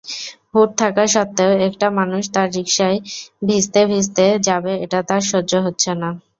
Hood থাকা সত্ত্বেও একটা মানুষ তার রিকশায় ভিজতেভিজতে যাবে এটা তার সহ্য হচ্ছে না।